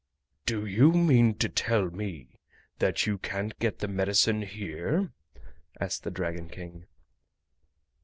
"Do you mean to tell me that you can't get the medicine here?" asked the Dragon King.